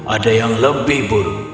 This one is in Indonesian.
ada yang lebih buruk